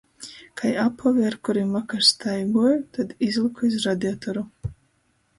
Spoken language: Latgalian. Kai apovi, ar kurim vakar staiguoju, tod izlyku iz radiatoru.